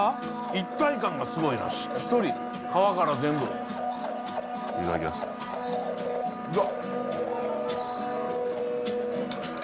一体感がすごいなしっとり皮から全部いただきやすうわ